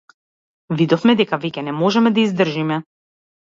Видовме дека веќе не можеме да издржиме.